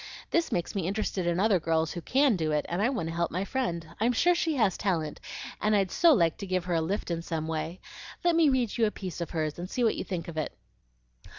This makes me interested in other girls who CAN do it, and I want to help my friend. I'm SURE she has talent, and I'd so like to give her a lift in some way. Let me read you a piece of hers and see what you think of it."